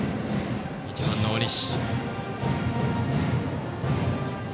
１番の大西。